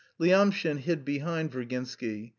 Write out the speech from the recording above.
Lyamshin hid behind Virginsky.